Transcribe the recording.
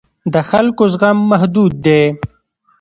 د خلکو زغم محدود دی